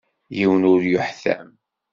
Yiwen ur yuḥtam.